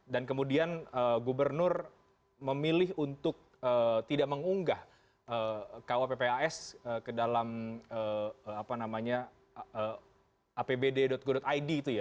dan kemudian gubernur memilih untuk tidak mengunggah kuappis ke dalam apbd go id itu ya